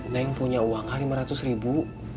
neng punya uang lima ratus ribu